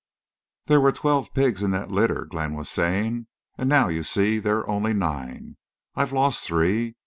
"There were twelve pigs in that litter," Glenn was saying, "and now you see there are only nine. I've lost three.